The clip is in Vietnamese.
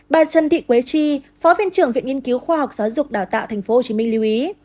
bà trần thị quế chi phó viện trưởng viện nghiên cứu khoa học giáo dục đào tạo tp hcm lưu ý